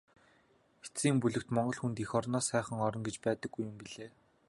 Эцсийн бүлэгт Монгол хүнд эх орноос сайхан орон гэж байдаггүй юм билээ.